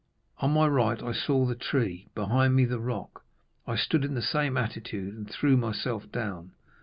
On my right I saw the tree, behind me the rock. I stood in the same attitude, and threw myself down.